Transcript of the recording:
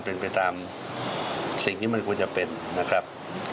เป็นไปตามสิ่งที่มันควรจะเป็นนะครับ